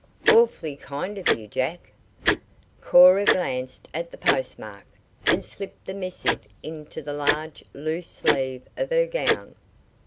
"Awfully kind of you, Jack." Cora glanced at the postmark, and slipped the missive into the large, loose sleeve of her gown.